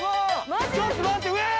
ちょっと待ってええー！